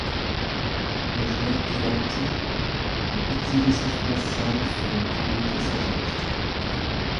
Le joueur pilote un petit vaisseau spatial sur une planète extraterrestre.